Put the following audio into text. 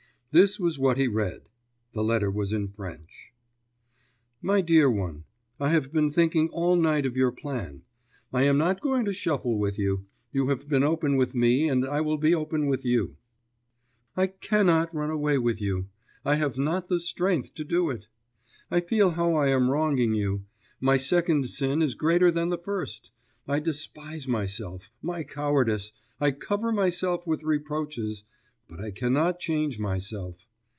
This was what he read (the letter was in French): 'My dear one, I have been thinking all night of your plan.... I am not going to shuffle with you. You have been open with me, and I will be open with you; I cannot run away with you, I have not the strength to do it. I feel how I am wronging you; my second sin is greater than the first, I despise myself, my cowardice, I cover myself with reproaches, but I cannot change myself.